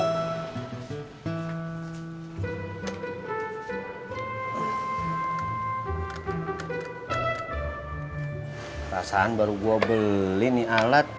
perasaan baru gue beli nih alat